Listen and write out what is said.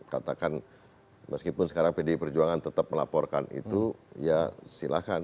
katakan meskipun sekarang pdi perjuangan tetap melaporkan itu ya silahkan